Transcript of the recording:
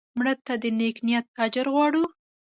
مړه ته د نیک نیت اجر غواړو